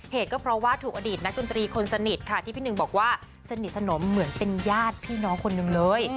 เหตุก็เพราะว่าถูกอดีตนักดนตรีคนสนิทค่ะที่พี่หนึ่งบอกว่าสนิทสนมเหมือนเป็นญาติพี่น้องคนหนึ่งเลย